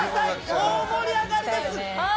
大盛り上がりです！